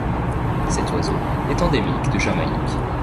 Cet oiseau est endémique de Jamaïque.